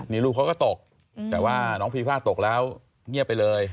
นี่ลูกเขาก็ตกแต่ว่าน้องฟีฟ่าตกแล้วเงียบไปเลย